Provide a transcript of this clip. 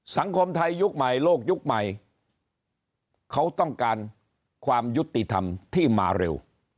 สังคมไทยยุคใหม่โลกยุคใหม่เขาต้องการความยุติธรรมที่มาเร็ว